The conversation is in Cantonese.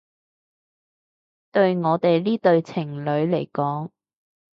對我哋呢對情侶嚟講